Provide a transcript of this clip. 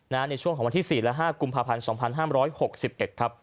ในช่วงของวันที่๔และ๕กุมภาพันธ์๒๕๖๑ครับ